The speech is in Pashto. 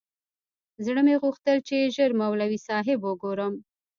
زړه مې غوښتل چې ژر مولوي صاحب وگورم.